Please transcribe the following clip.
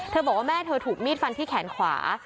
บอกว่าแม่เธอถูกมีดฟันที่แขนขวา